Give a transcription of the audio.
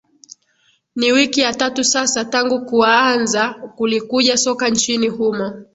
ni wiki ya tatu sasa tangu kuaanza kulikuja soka nchini humo